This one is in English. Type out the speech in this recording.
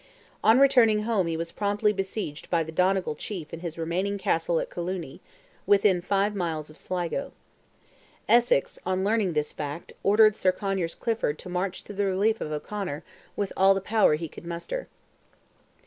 On returning home he was promptly besieged by the Donegal chief in his remaining castle at Colooney, within five miles of Sligo. Essex, on learning this fact, ordered Sir Conyers Clifford to march to the relief of O'Conor with all the power he could muster.